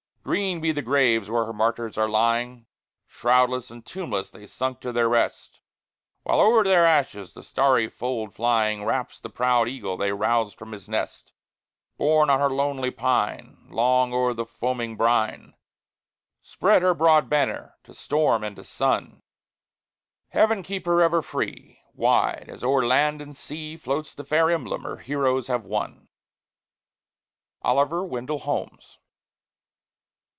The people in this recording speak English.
Green be the graves where her martyrs are lying! Shroudless and tombless they sunk to their rest, While o'er their ashes the starry fold flying Wraps the proud eagle they roused from his nest. Borne on her Northern pine, Long o'er the foaming brine Spread her broad banner to storm and to sun; Heaven keep her ever free, Wide as o'er land and sea Floats the fair emblem her heroes have won! OLIVER WENDELL HOLMES.